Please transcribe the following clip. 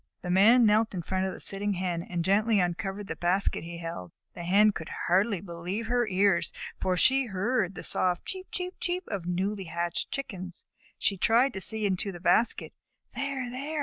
The Man knelt in front of the sitting Hen, and gently uncovered the basket he held. The Hen could hardly believe her ears, for she heard the soft "cheep cheep cheep" of newly hatched Chickens. She tried to see into the basket. "There! There!"